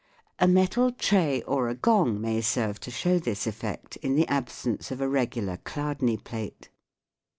A metal tray or a gong may serve to show this effect in the absence of a regular Chladni plate.